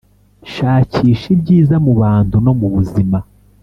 shakisha ibyiza mubantu no mubuzima